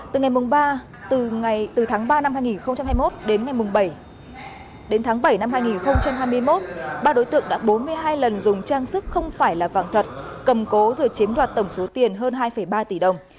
từ tháng ba năm hai nghìn hai mươi một đến tháng bảy năm hai nghìn hai mươi một ba đối tượng đã bốn mươi hai lần dùng trang sức không phải là vàng thật cầm cố rồi chiếm đoạt tổng số tiền hơn hai ba tỷ đồng